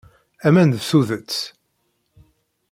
Aman d tudet.